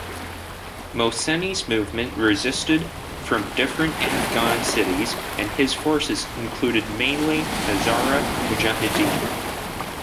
Mohseni's movement resisted from different Afghan cities and his forces included mainly Hazara Mujahideen.